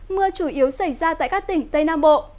mưa chủ yếu xảy ra tại các tỉnh tây nam bộ